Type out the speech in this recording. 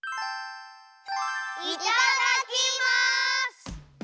いただきます！